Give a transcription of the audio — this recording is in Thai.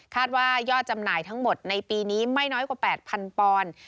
ว่ายอดจำหน่ายทั้งหมดในปีนี้ไม่น้อยกว่า๘๐๐ปอนด์